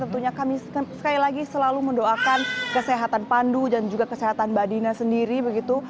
tentunya kami sekali lagi selalu mendoakan kesehatan pandu dan juga kesehatan mbak dina sendiri begitu